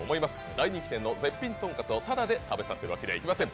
大人気店の絶品とんかつをただで食べさせるわけにはいきません。